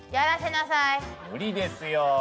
無理ですよ